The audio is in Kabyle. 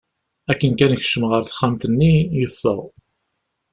Akken kan kecmeɣ ɣer texxamt-nni, yeffeɣ.